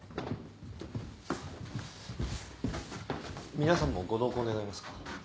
皆さんもご同行願えますか。